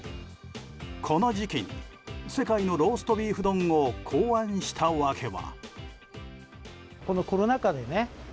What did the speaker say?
この時期に世界のローストビーフ丼を考案した訳は。